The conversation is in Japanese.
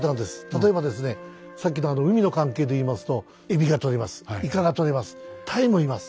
例えばですねさっきの海の関係で言いますとエビがとれます